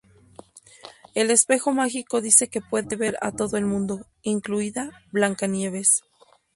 El espejo mágico dice que puede ver a todo el mundo, incluida Blancanieves.